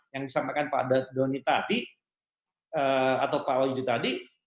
yang disampaikan pak doni tadi atau pak wahyudi tadi